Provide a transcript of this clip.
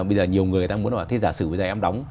bây giờ nhiều người người ta muốn là thế giả sử bây giờ em đóng